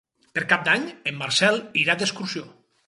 Per Cap d'Any en Marcel irà d'excursió.